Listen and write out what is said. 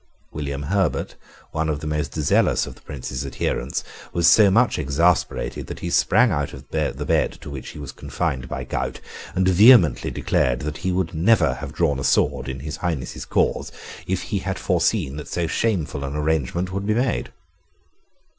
William Herbert, one of the most zealous of the Prince's adherents, was so much exasperated that he sprang out of the bed to which he was confined by gout, and vehemently declared that he never would have drawn a sword in His Highness's cause if he had foreseen that so shameful an arrangement would be made.